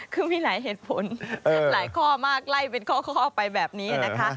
คือมีหลายเหตุผลหลายข้อมากไล่เป็นข้อไปแบบนี้นะคะ